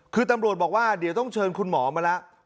คือตำรวจบอกว่าเดี๋ยวต้องเชิญคุณหมอมาแล้ว